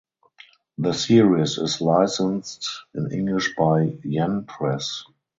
The series is licensed in English by Yen Press.